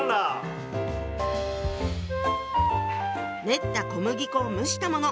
練った小麦粉を蒸したもの。